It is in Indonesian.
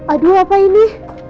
aduh apa ini